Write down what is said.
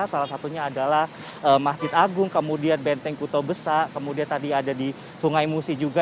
salah satunya adalah masjid agung kemudian benteng kuto besa kemudian tadi ada di sungai musi juga